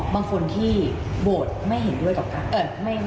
บางคนที่โหวตไม่เห็นด้วยกับการ